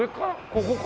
ここか？